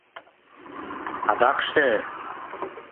— Адакше?